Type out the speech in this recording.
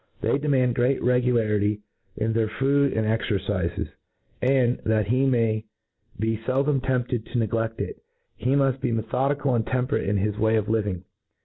ITicy demand great regularity in their food and exer cifes, and, that he may be feldoth tempted to ne ^ gleft it, he mufl be methodical and temperate in his way of living.